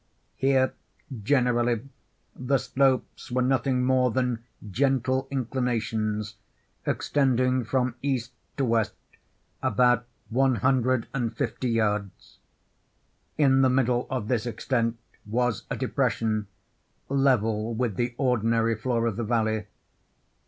Here, generally, the slopes were nothing more than gentle inclinations, extending from east to west about one hundred and fifty yards. In the middle of this extent was a depression, level with the ordinary floor of the valley.